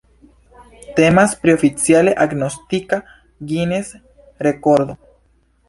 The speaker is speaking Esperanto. Temas pri oficiale agnoskita Guiness-rekordo.